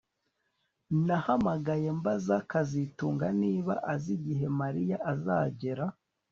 Nahamagaye mbaza kazitunga niba azi igihe Mariya azagera